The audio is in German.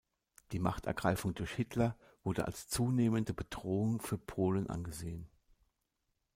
Die Machtergreifung durch Hitler wurde als zunehmende Bedrohung für Polen angesehen.